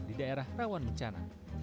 di daerah rawan bencana